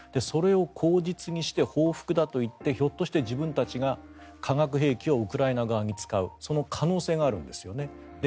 それを口実にして報復だと言ってひょっとして自分たちが化学兵器をウクライナ側に使うその可能性があるんですよね。